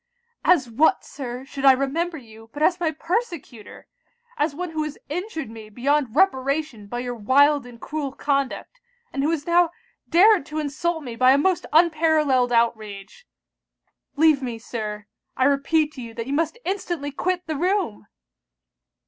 'As what, Sir, should I remember you, but as my persecutor? as one who has injured me beyond reparation by your wild and cruel conduct; and who has now dared to insult me by a most unparallelled outrage. Leave me, Sir! I repeat to you that you must instantly quit the room!'